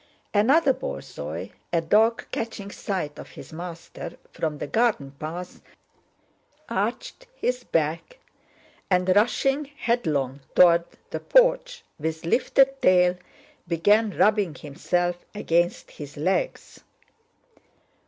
Another borzoi, a dog, catching sight of his master from the garden path, arched his back and, rushing headlong toward the porch with lifted tail, began rubbing himself against his legs.